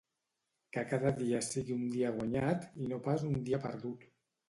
Que cada dia sigui un dia guanyat i no pas un dia perdut.